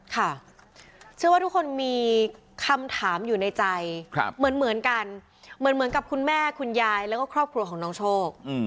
ค่ะเชื่อว่าทุกคนมีคำถามอยู่ในใจเหมือนกันเหมือนกับคุณแม่คุณยายแล้วก็ครอบครัวของน้องโชค